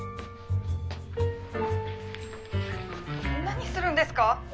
何するんですか！？